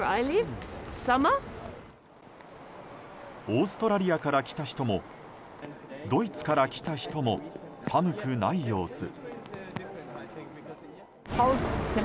オーストラリアから来た人もドイツから来た人も寒くない様子。